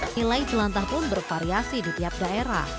nilai jelantah pun bervariasi di tiap daerah